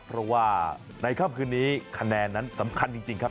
เพราะว่าในค่ำคืนนี้คะแนนนั้นสำคัญจริงครับ